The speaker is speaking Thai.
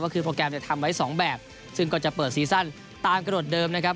ก็คือโปรแกรมเนี่ยทำไว้สองแบบซึ่งก็จะเปิดซีซั่นตามกระโดดเดิมนะครับ